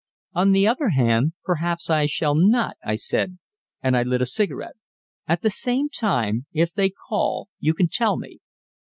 "On the other hand, perhaps I shall not," I said, and I lit a cigarette. "At the same time, if they call, you can tell me."